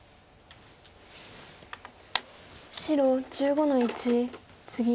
白１５の一ツギ。